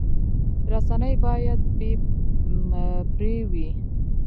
رسنۍ باید بې پرې وي